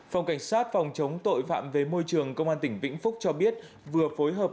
phòng cảnh sát phòng chống tội phạm về môi trường công an tỉnh vĩnh phúc cho biết vừa phối hợp